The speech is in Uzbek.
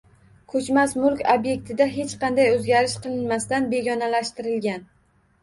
Koʼchmas mulk obʼektida hech qanday oʼzgarish qilinmasdan begonalashtirilgan